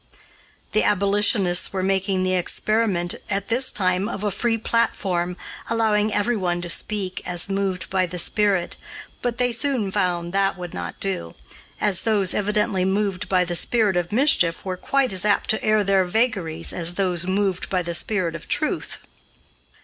The abolitionists were making the experiment, at this time, of a free platform, allowing everyone to speak as moved by the spirit, but they soon found that would not do, as those evidently moved by the spirit of mischief were quite as apt to air their vagaries as those moved by the spirit of truth.